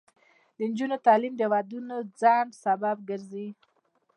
د نجونو تعلیم د ودونو ځنډ سبب ګرځي.